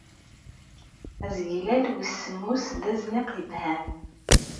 Azeglal wis semmus d azniq yebhan.